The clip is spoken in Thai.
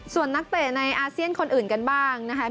ส่วนนักเตะในอาเซียนคนอื่นกันบ้างนะคะ